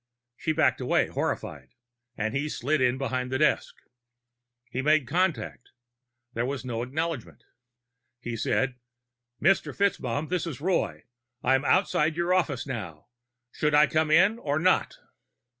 She backed away, horrified, and he slid in behind the desk. He made contact; there was no acknowledgment. He said, "Mr. FitzMaugham, this is Roy. I'm outside your office now. Should I come in, or not?"